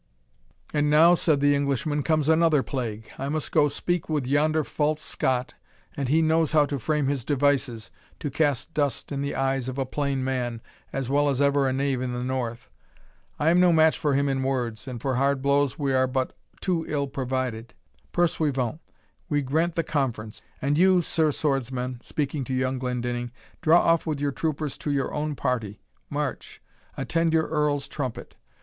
"And now," said the Englishman, "comes another plague. I must go speak with yonder false Scot, and he knows how to frame his devices, to cast dust in the eyes of a plain man, as well as ever a knave in the north. I am no match for him in words, and for hard blows we are but too ill provided. Pursuivant, we grant the conference and you, Sir Swordsman," (speaking to young Glendinning,) "draw off with your troopers to your own party march attend your Earl's trumpet.